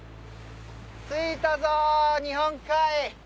着いたぞ日本海！